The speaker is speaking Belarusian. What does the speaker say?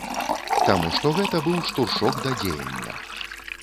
Таму што гэта быў штуршок да дзеяння.